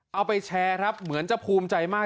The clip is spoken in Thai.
เอาไปแชร์ครับเหมือนจะภูมิใจมาก